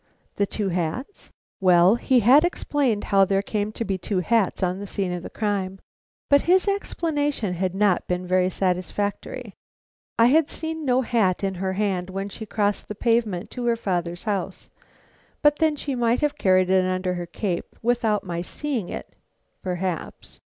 The two hats? Well, he had explained how there came to be two hats on the scene of crime, but his explanation had not been very satisfactory. I had seen no hat in her hand when she crossed the pavement to her father's house. But then she might have carried it under her cape without my seeing it perhaps.